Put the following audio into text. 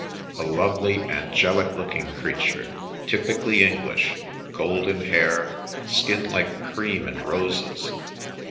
"A lovely, angelic looking creature, typically English ; golden hair; skin like cream and roses."